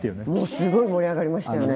すごい盛り上がりましたよね。